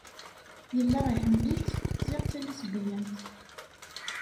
Yella iḥemmel-itt ziɣ d talisbyant.